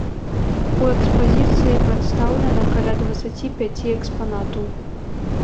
У экспазіцыі прадстаўлена каля дваццаці пяці экспанатаў.